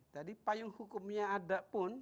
jadi payung hukumnya ada pun